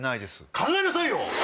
考えなさいよ！